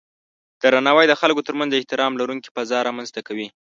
درناوی د خلکو ترمنځ د احترام لرونکی فضا رامنځته کوي.